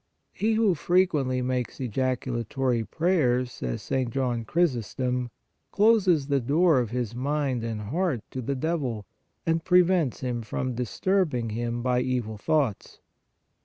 " He who frequently makes ejaculatory prayers," says St. John Chrysos tom, " closes the door of his mind and heart to the devil, and prevents him from disturbing him by evil thoughts."